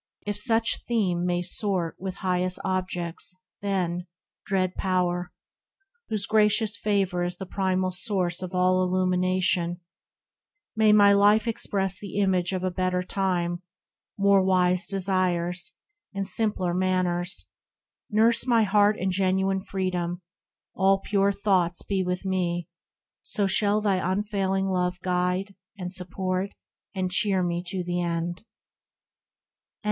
If such theme May sort with highest objects, then — dread Power ! Whose gracious favour is the primal source Of all illumination — may my Life Express the image of a better time, More wise desires, and simpler manners ;— nurse My Heart in genuine freedom :— all pure thoughts Be with me ;— so shall thy unfailing love Guide, and support, and cheer me to the end